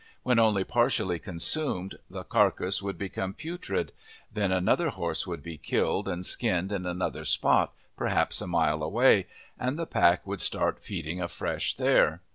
When only partially consumed the carcass would become putrid; then another horse would be killed and skinned at another spot perhaps a mile away, and the pack would start feeding afresh there.